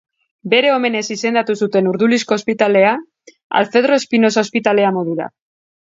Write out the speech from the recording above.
Bere omenez izendatu zuten Urdulizko ospitalea Alfredo Espinosa Ospitalea modura.